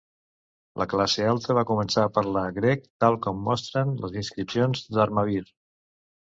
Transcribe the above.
La classe alta va començar a parlar grec tal com mostren les inscripcions d'Armavir.